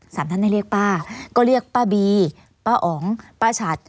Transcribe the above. สามท่านได้เรียกป้าก็เรียกป้าบีป้าอ๋องป้าฉัด